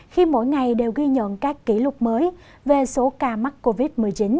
khi mỗi ngày đều ghi nhận các kỷ lục mới về số ca mắc covid một mươi chín